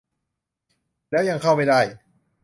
แล้วยังเข้าไม่ได้